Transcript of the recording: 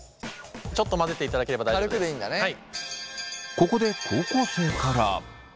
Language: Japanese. ここで高校生から。